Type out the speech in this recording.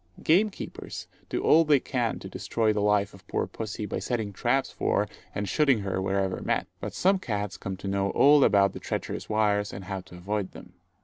Gamekeepers do all they can to destroy the life of poor pussy by setting traps for, and shooting her wherever met. But some cats come to know all about the treacherous wires and how to avoid them.